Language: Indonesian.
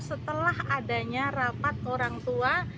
setelah adanya rapat orang tua